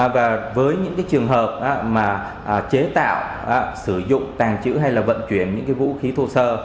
với những trường hợp chế tạo sử dụng tàn trữ hay vận chuyển những vũ khí thô sơ